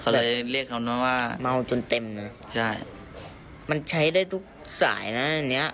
เขาเลยเรียกคำนั้นว่าเหมาจนเต็มน่ะใช่มันใช้ได้ทุกสายนั้นนี้